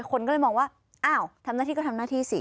คนก็เลยมองว่าอ้าวทำหน้าที่ก็ทำหน้าที่สิ